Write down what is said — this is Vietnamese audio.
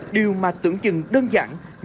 điều mà tưởng chừng đơn giản